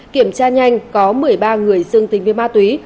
kiểm tra nhanh có một mươi ba người dương tính với ma túy